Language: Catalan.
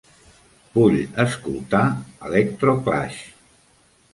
Vull escoltar electroclash